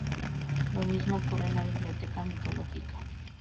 Lo mismo ocurre en la "Biblioteca mitológica".